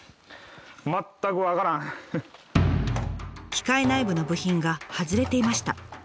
機械内部の部品が外れていました。